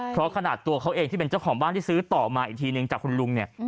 เพราะขนาดตัวเขาเองที่เป็นเจ้าของบ้านที่ซื้อต่อมาอีกทีนึงจากคุณลุงเนี่ย